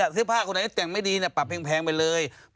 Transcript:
เสื้อผ้าคนไหนแต่งไม่ดีปรับแพงไปเลย